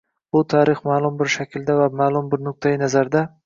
Bu tarix ma’lum bir shaklda va ma’lum bir nuqtai nazarda